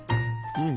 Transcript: うん。